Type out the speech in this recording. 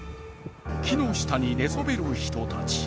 木下に寝そべる人たち。